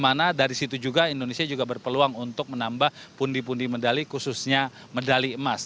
karena dari situ juga indonesia juga berpeluang untuk menambah pundi pundi medali khususnya medali emas